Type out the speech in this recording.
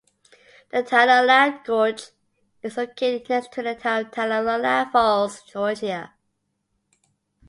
The Tallulah Gorge is located next to the town of Tallulah Falls, Georgia.